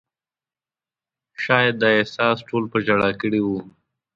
شاید دا احساس ټول په ژړا کړي وو.